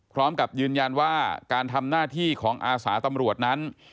พร้อมกับยืนยันว่าการทำหน้าที่ของอาสาตำรวจนั้น